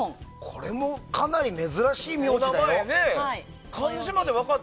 これも、かなり珍しい名字だよ。